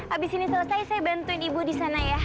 abis ini selesai saya bantuin ibu di sana ya